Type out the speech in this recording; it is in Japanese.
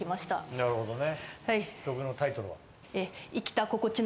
なるほどね。